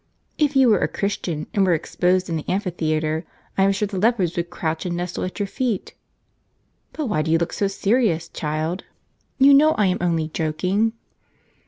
If you were a Christian, and were exposed in the amphitheatre, I am sure the very leopards would crouch and nestle at your feet. But why do you look so serious, child ? You know I am only joking."